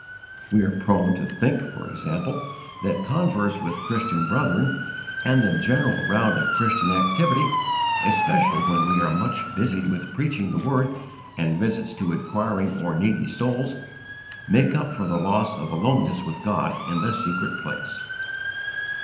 We are prone to think, for example, that converse with Christian brethren, and the general round of Christian activity, especially when we are much busied with preaching the Word and visits to inquiring or needy souls, make up for the loss of aloneness with God in the secret place.